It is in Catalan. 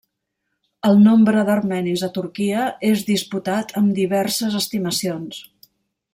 El nombre d'armenis a Turquia és disputat amb diverses estimacions.